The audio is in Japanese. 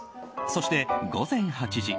そして午前８時。